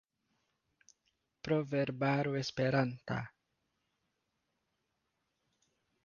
Proverbaro esperanta.